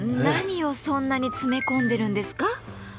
何をそんなに詰め込んでるんですか？